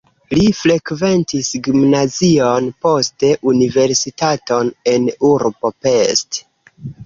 Li frekventis gimnazion, poste universitaton en urbo Pest.